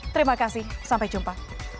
terima kasih sampai jumpa